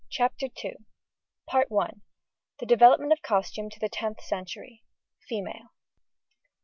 CHAPTER II THE DEVELOPMENT OF COSTUME TO THE TENTH CENTURY. FEMALE.